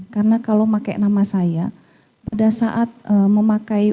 karena kalau pakai nama saya pada saat memakai